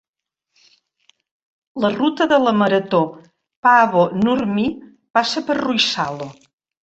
La ruta de la marató Paavo Nurmi passa per Ruissalo.